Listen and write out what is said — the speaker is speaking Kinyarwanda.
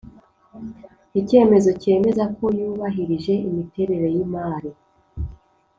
Icyemezo cyemezako yubahirije imiterere yimari